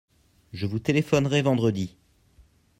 Je vous téléphonerai vendredi.